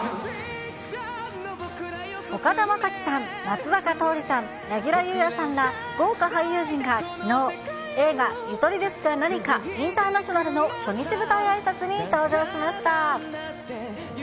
岡田将生さん、松坂桃李さん、柳楽優弥さんら、豪華俳優陣がきのう、映画、ゆとりですがなにかインターナショナルの初日舞台あいさつに登場しました。